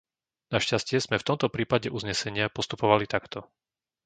Našťastie sme v tomto prípade uznesenia postupovali takto.